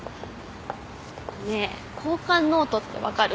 ねえ交換ノートって分かる？